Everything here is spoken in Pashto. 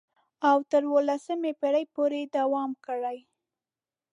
او تر اوولسمې پېړۍ پورې یې دوام کړی.